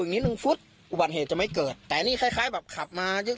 อย่างนิดหนึ่งฟุตอุบันเหตุจะไม่เกิดแต่นี่คล้ายคล้ายแบบขับมา